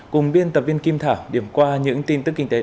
cùng biên tập viên kim thảo điểm qua những tin tức kinh tế